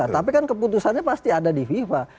tapi kan keputusannya pasti ada di fifa